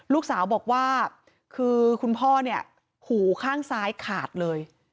ลูกสาวบอกว่าคือคุณพ่อเนี่ยหูข้างซ้ายขาดเลย